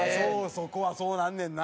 そこはそうなんねんな。